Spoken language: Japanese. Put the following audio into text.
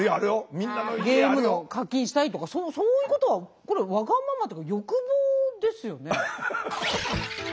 ゲームの課金したいとかそういうことはこれわがままっていうか欲望ですよね。